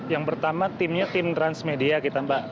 yang pertama timnya tim transmedia kita mbak